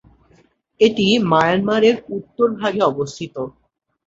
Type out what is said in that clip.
এটি মায়ানমারের উত্তর ভাগে অবস্থিত।